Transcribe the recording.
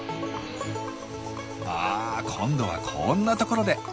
あ今度はこんなところで。